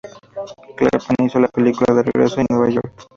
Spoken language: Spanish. Kaplan hizo la película y regresó a Nueva York.